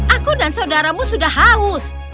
aku dan saudaramu sudah haus